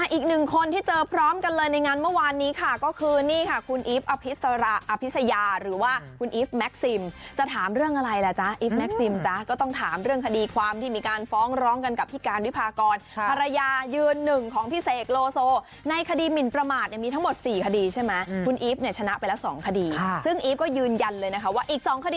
อีกหนึ่งคนที่เจอพร้อมกันเลยในงานเมื่อวานนี้ค่ะก็คือนี่ค่ะคุณอีฟอภิษยาหรือว่าคุณอีฟแม็กซิมจะถามเรื่องอะไรล่ะจ๊ะอีฟแม็กซิมจ๊ะก็ต้องถามเรื่องคดีความที่มีการฟ้องร้องกันกับพี่การวิพากรภรรยายืนหนึ่งของพี่เสกโลโซในคดีหมินประมาทเนี่ยมีทั้งหมด๔คดีใช่ไหมคุณอีฟเนี่ยชนะไปแล้ว๒คดีซึ่งอีฟก็ยืนยันเลยนะคะว่าอีก๒คดี